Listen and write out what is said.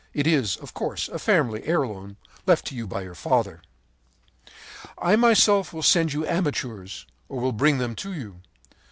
It is, of course, a family heirloom left you by your father. “'I myself will send you amateurs, or will bring them to you.